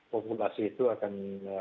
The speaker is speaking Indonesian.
populasi itu akan